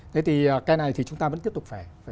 thế thì cái này thì chúng ta vẫn tiếp tục phải